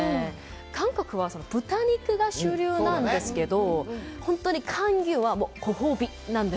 韓国は豚肉が主流なんですけど、本当に韓牛はご褒美なんです。